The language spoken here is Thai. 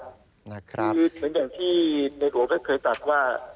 คือเหมือนอย่างที่ในหัวก็เคยตัดว่า